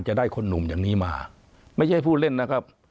จะได้คนหนุ่มอย่างนี้มาไม่ใช่ผู้เล่นนะครับ